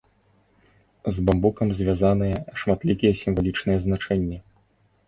З бамбукам звязаныя шматлікія сімвалічныя значэнні.